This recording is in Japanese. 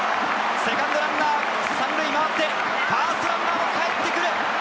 セカンドランナー、３塁を回ってファーストランナーもかえってくる！